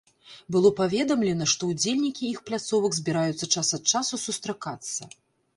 Было паведамлена, што ўдзельнікі іх пляцовак збіраюцца час ад часу сустракацца.